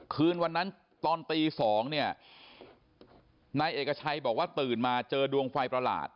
คืนวันนั้นตอนตี๒เนี่ยนายเอกชัยบอกว่าตื่นมาเจอดวงไฟประหลาด